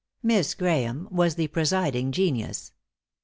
Miss Graeme was the presiding genius.